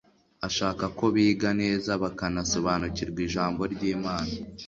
ashaka ko biga neza bakanasobanukirwa Ijambo ry'Imana.